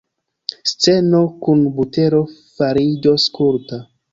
Sceno kun butero fariĝos kulta.